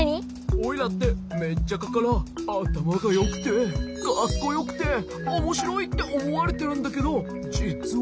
オイラってメッチャカからあたまがよくてかっこよくておもしろいっておもわれてるんだけどじつは。